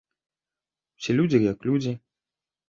Усе людзі як людзі.